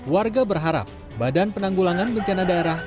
warga berharap badan penanggulangan bencana daerah